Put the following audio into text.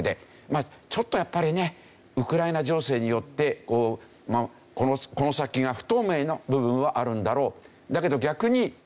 まあちょっとやっぱりねウクライナ情勢によってまあこの先が不透明な部分はあるんだろう。